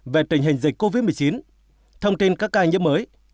về tình hình dịch covid một mươi chín thông tin các ca nhiễm mới